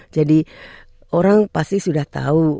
jadi orang pasti sudah tahu